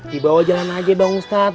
di bawah jalan aja bang ustadz